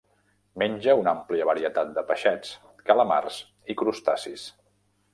Menja una àmplia varietat de peixets, calamars i crustacis.